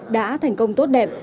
đã thành công tốt đẹp